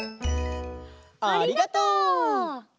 ありがとう。